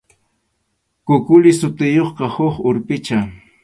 Kukuli sutiyuqqa huk urpicha.